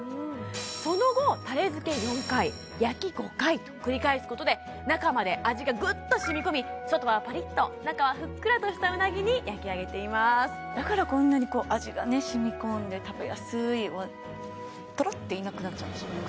その後タレ漬け４回焼き５回と繰り返すことで中まで味がぐっとしみ込み外はパリッと中はふっくらとしたうなぎに焼き上げていますだからこんなに味がねしみ込んで食べやすいとろっていなくなっちゃうんでしょうね